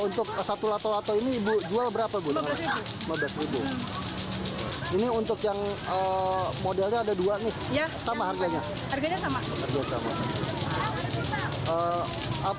untuk satu lato ini berapa ini untuk yang modelnya ada dua nih sama harganya